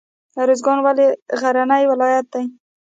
ارزګان ولې غرنی ولایت دی؟